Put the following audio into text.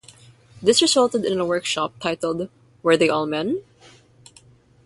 This resulted in a workshop titled Were they all men?